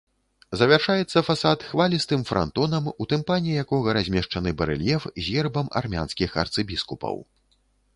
Завяршаецца фасад хвалістым франтонам, у тымпане якога размешчаны барэльеф з гербам армянскіх арцыбіскупаў.